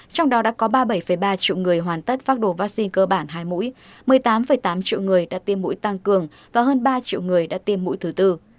trong đó đã có ba mươi bảy ba triệu người hoàn tất phác đồ vaccine cơ bản hai mũi một mươi tám tám triệu người đã tiêm mũi tăng cường và hơn ba triệu người đã tiêm mũi thứ tư